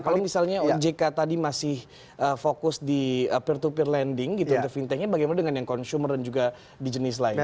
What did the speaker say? kalau misalnya ojk tadi masih fokus di peer to peer lending gitu untuk fintechnya bagaimana dengan yang consumer dan juga di jenis lainnya